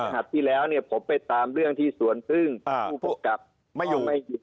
หัดที่แล้วเนี่ยผมไปตามเรื่องที่ส่วนพึ่งอ่าผู้ผู้กลับไม่อยู่